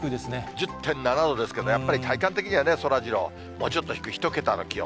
１０．７度ですけど、やっぱり体感的にはね、そらジロー、もうちょっと低い１桁の気温。